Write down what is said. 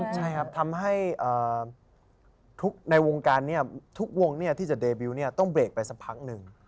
ใช่ครับทำให้ทุกในวงการทุกวงที่จะเดบิวต้องเบรกไปสักพักหนึ่ง